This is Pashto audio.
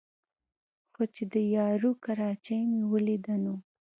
خو چې د یارو کراچۍ مې ولېده نو